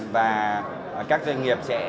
và các doanh nghiệp sẽ